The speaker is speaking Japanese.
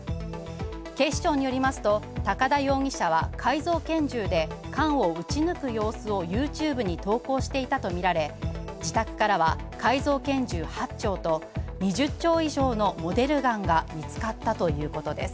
警視庁によりますと、高田容疑者は改造拳銃で缶を撃ち抜く様子をＹｏｕＴｕｂｅに投稿していたとみられ、自宅からは改造拳銃８丁と２０丁以上のモデルガンが見つかったということです。